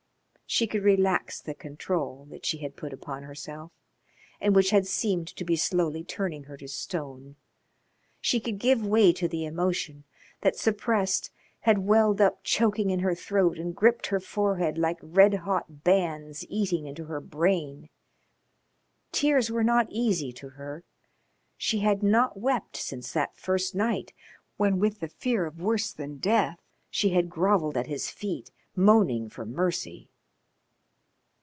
She could relax the control that she had put upon herself and which had seemed to be slowly turning her to stone. She could give way to the emotion that, suppressed, had welled up choking in her throat and gripped her forehead like red hot bands eating into her brain. Tears were not easy to her. She had not wept since that first night when, with the fear of worse than death, she had grovelled at his feet, moaning for mercy.